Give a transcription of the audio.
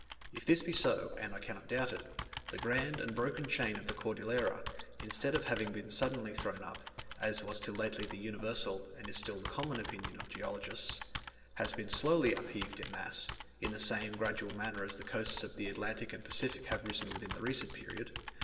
If this be so, and I cannot doubt it, the grand and broken chain of the Cordillera, instead of having been suddenly thrown up, as was till lately the universal, and still is the common opinion of geologists, has been slowly upheaved in mass, in the same gradual manner as the coasts of the Atlantic and Pacific have risen within the recent period.